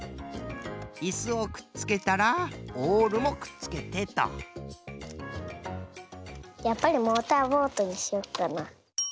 いすをくっつけたらオールもくっつけてとやっぱりモーターボートにしよっかな。